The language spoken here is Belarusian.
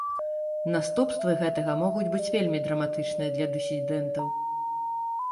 Наступствы гэтага могуць быць вельмі драматычныя для дысідэнтаў.